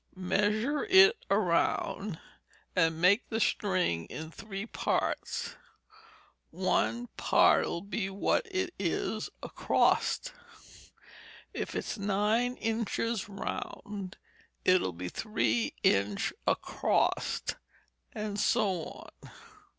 Measure it round, and make the string in three parts, and one part'll be what it is acrost. If it's nine inch round, it'll be three inch acrost, and so on.